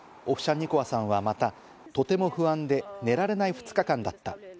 オフシャンニコワさんはまた、とても不安で寝られない２日間だった。